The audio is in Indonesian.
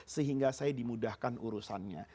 sehingga saya dimudahkan urusannya